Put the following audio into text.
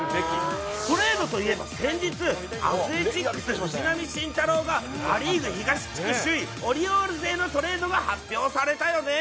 トレードといえば先日、アスレチックス、藤浪晋太郎がア・リーグ東地区首位、オリオールズへのトレードが発表されたよね。